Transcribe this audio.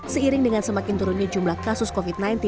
seiring dengan semakin turunnya jumlah kasus covid sembilan belas